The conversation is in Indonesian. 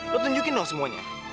lu tunjukin dong semuanya